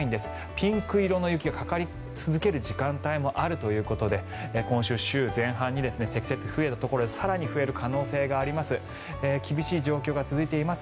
ピンク色の雪がかかり続ける時間帯もあるということで今週、週前半に積雪が増えたところで更に増える可能性があります。